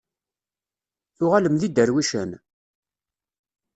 Tuɣalem d iderwicen?